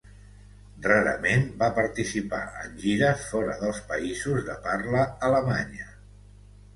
Rarament va participar en gires fora dels països de parla alemanya.